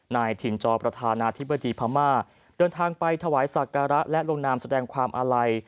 นายถิ่นจอประธานาธิบดีพม่าเดินทางไปถวายศักระและลงนามแสดงความอาลัย